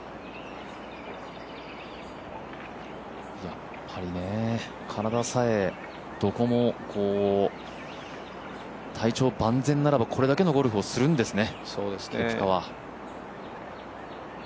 やっぱりね、体さえどこも体調万全ならばこれだけのゴルフをするんですね、ケプカは。